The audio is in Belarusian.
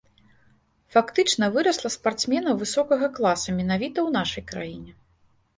Фактычна вырасла спартсменам высокага класа менавіта ў нашай краіне.